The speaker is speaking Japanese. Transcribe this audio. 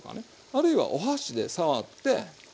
あるいはお箸で触って。